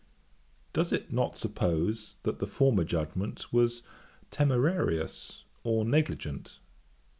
Does it not suppose, that the former judgement was temerarious or negligent?